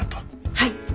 はい。